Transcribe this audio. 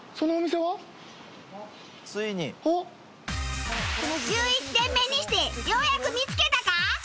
１１店目にしてようやく見つけたか？